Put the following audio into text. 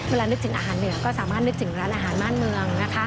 นึกถึงอาหารเหนือก็สามารถนึกถึงร้านอาหารม่านเมืองนะคะ